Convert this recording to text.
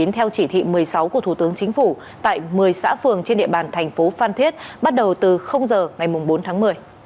theo chỉ thị một mươi sáu của thủ tướng chính phủ tại một mươi xã phường trên địa bàn thành phố phan thiết bắt đầu từ giờ ngày bốn tháng một mươi